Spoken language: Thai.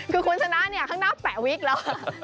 คือคุณชนะเนี่ยข้างหน้าแปะวิกแล้ว